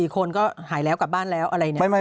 ๔คนก็หายแล้วกลับบ้านแล้วอะไรเนี่ย